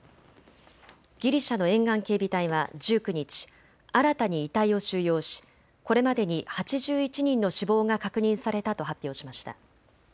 ギリシャの沿岸警備隊は１９日、新たに遺体を収容し、これまでに８１人の死亡が確認されたと発表しました。